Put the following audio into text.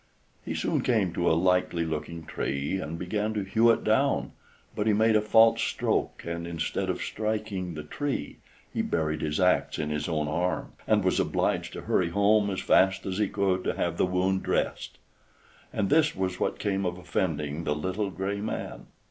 He soon came to a likely looking tree, and began to hew it down, but he made a false stroke, and instead of striking the tree he buried his axe in his own arm, and was obliged to hurry home as fast as he could to have the wound dressed. And this was what came of offending the little gray man!